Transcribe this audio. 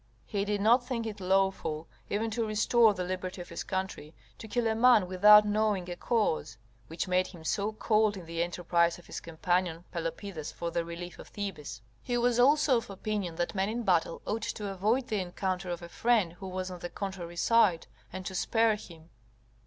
He did not think it lawful, even to restore the liberty of his country, to kill a man without knowing a cause: which made him so cold in the enterprise of his companion Pelopidas for the relief of Thebes. He was also of opinion that men in battle ought to avoid the encounter of a friend who was on the contrary side, and to spare him.